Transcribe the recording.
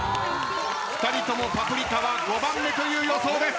２人とも『パプリカ』は５番目という予想です。